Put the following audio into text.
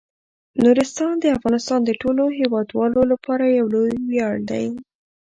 نورستان د افغانستان د ټولو هیوادوالو لپاره یو لوی ویاړ دی.